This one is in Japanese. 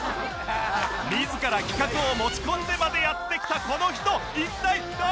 自ら企画を持ち込んでまでやって来たこの人一体誰！？